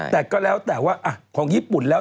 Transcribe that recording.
แต่ก็หลักต่อเรือ